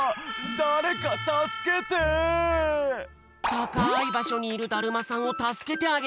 たかいばしょにいるだるまさんをたすけてあげよう！